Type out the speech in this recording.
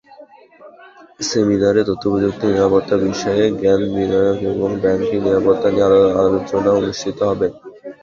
সেমিনারে তথ্যপ্রযুক্তির নিরাপত্তা বিষয়ে জ্ঞান বিনিময় এবং ব্যাংকিং নিরাপত্তা নিয়ে আলোচনা অনুষ্ঠিত হবে।